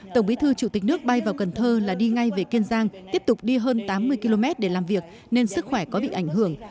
tổng bí thư chủ tịch nước bay vào cần thơ là đi ngay về kiên giang tiếp tục đi hơn tám mươi km để làm việc nên sức khỏe có bị ảnh hưởng